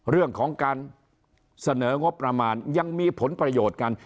เรื่องของการเสนองบประมาณยังมีผลประโยชน์กัน